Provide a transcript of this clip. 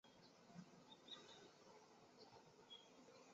故有说法认为宋太祖早就忌讳韩通。